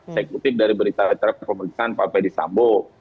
eksekutif dari berita acara pemeriksaan pak verdi sambo